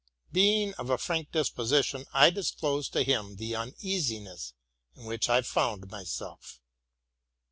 Being of a frank disposition, I disclosed to him the uneasi ness in which I found myself.